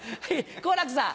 好楽さん。